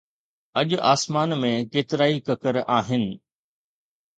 اڄ آسمان ۾ ڪيترائي ڪڪر آهن.